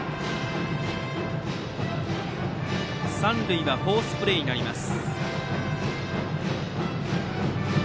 三塁はフォースプレーになります。